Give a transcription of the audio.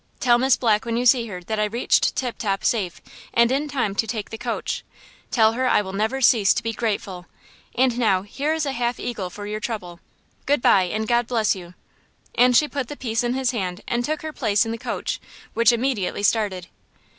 Tell Miss Black when you see her that I reached Tip Top safe and in time to take the coach. Tell her I will never cease to be grateful! And now, here is a half eagle for your trouble! Good by, and God bless you!" And she put the piece in his hand and took her place in the coach, which immediately started.